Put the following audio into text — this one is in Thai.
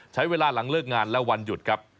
ใช้เวลาหลังเลิกงานและวันหยุดครับ